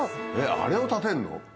あれを立てんの？